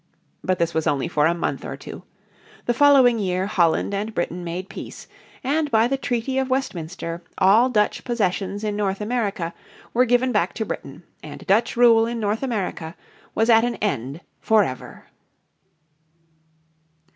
But this was only for a month or two. The following year Holland and Britain made peace, and by the Treaty of Westminster all Dutch possessions in North America were given back to Britain, and Dutch rule in North America was at an end for ever.